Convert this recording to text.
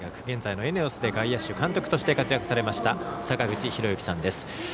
現在のエネオスで外野手監督として活躍されました坂口裕之さんです。